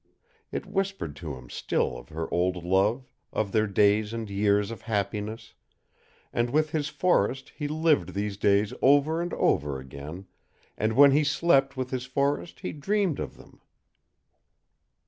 It whispered to him still of her old love, of their days and years of happiness, and with his forest he lived these days over and over again, and when he slept with his forest he dreamed of them.